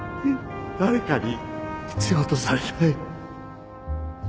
誰かに必要とされたい